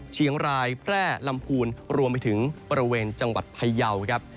เชียงรายแพร่ลำพูนรวมไปถึงบริเวณจังหวัดพยาวครับ